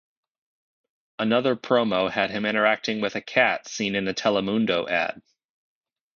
Another promo had him interacting with a cat seen in a Telemundo ad.